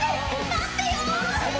待ってよ！